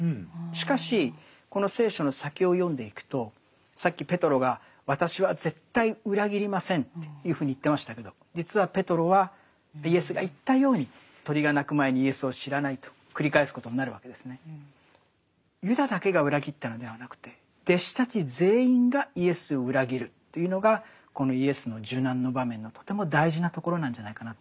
しかしこの聖書の先を読んでいくとさっきペトロが私は絶対裏切りませんというふうに言ってましたけど実はペトロはイエスが言ったように鶏が鳴く前にイエスを知らないと繰り返すことになるわけですね。というのがこのイエスの受難の場面のとても大事なところなんじゃないかなというふうに思うんですね。